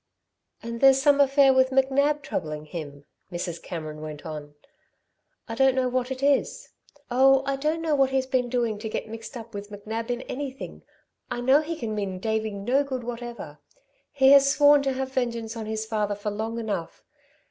'" "And there's some affair with McNab troubling him," Mrs. Cameron went on. "I don't know what it is. Oh, I don't know what he's been doing to get mixed up with McNab in anything I know he can mean Davey no good whatever. He has sworn to have vengeance on his father for long enough.